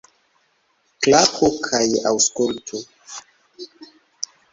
Klaku kaj aŭskultu!